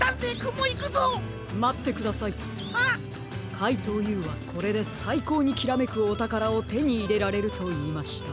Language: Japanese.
かいとうＵはこれでさいこうにきらめくおたからをてにいれられるといいました。